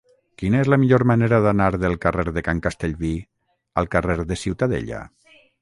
Quina és la millor manera d'anar del carrer de Can Castellví al carrer de Ciutadella?